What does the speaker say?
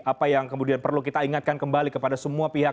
apa yang kemudian perlu kita ingatkan kembali kepada semua pihak